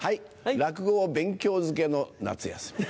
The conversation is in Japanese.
落語の勉強漬けの夏休み。